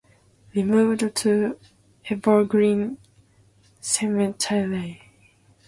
Removed to Evergreen Cemetery.